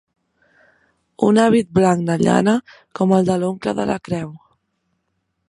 Un hàbit blanc de llana, com el de l'oncle de la creu.